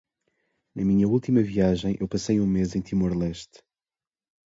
Na minha última viagem eu passei um mês no Timor-Leste.